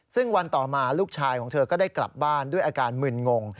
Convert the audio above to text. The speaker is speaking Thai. ซึ่งวันต่อมาลูกชายของเธอก็ได้กลับบ้านด้วยอาการมึนงง